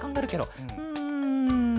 うん。